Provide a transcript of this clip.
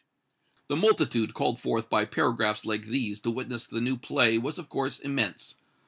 The multitude called forth by paragraphs like these to witness the new play was, of course, immense.